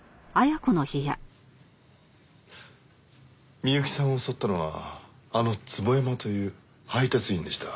美由紀さんを襲ったのはあの坪山という配達員でした。